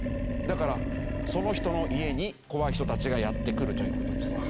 だからその人の家に怖い人たちがやって来るという事です。